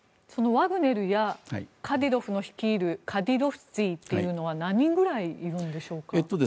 ワグネルやカディロフの率いるカディロフツィというのは何人ぐらいいるんでしょうか。